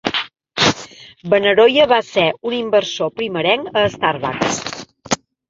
Benaroya va ser un inversor primerenc a Starbucks.